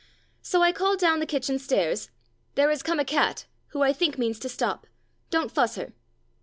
So I called down the kitchen stairs, "There is come a cat, who I think means to stop. Don't fuss her."